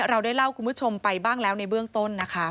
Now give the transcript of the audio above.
เราได้เล่าคุณผู้ชมไปบ้างแล้วในเบื้องต้นนะคะ